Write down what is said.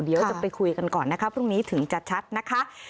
เดี๋ยวจะไปคุยกันก่อนนะคะพรุ่งนี้ถึงจะชัดนะคะ